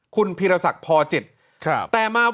คุณพิรสักพอจิตแต่มา